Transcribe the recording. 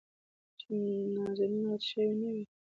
چې نازنين غټه شوې نه وي.